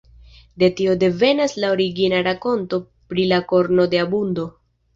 De tio devenas la origina rakonto pri la korno de abundo.